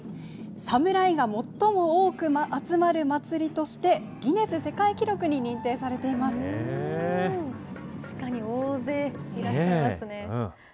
侍が最も多く集まる祭りとして、ギネス世界記録に認定されていま確かに大勢いらっしゃいます